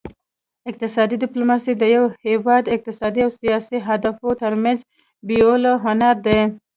اقتصادي ډیپلوماسي د یو هیواد اقتصادي او سیاسي اهدافو پرمخ بیولو هنر دی